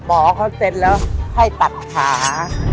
หมอเขาเซ็นแล้วให้ตัดขา